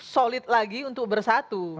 solid lagi untuk bersatu